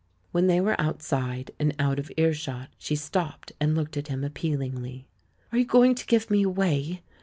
When they were outside, and out of earshot, she stopped and looked at him appealingly. "Are you going to give me away?"